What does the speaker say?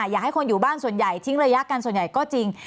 อยากให้คนอยู่บ้านส่วนใหญ่ทิ้งระยะกันส่วนใหญ่ก็จริง